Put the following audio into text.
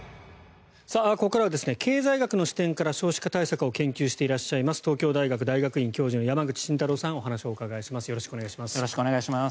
ここからは経済学の視点から少子化対策を研究していらっしゃいます東京大学大学院教授の山口慎太郎さんにお話をお伺いします。